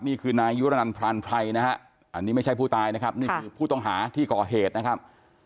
นี่คือนายยุรนันพรานไพรนะฮะอันนี้ไม่ใช่ผู้ตายนะครับนี่คือผู้ต้องหาที่ก่อเหตุนะครับ